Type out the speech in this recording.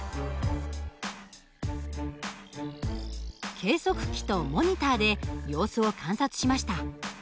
計測器とモニターで様子を観察しました。